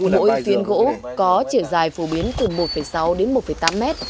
mỗi phiên gỗ có chiều dài phổ biến từ một sáu đến một tám mét